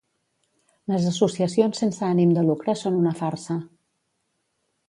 Les associacions sense ànim de lucre són una farsa.